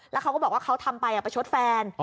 แล้วเขาก็บอกว่าเขาทำไปประชดแฟน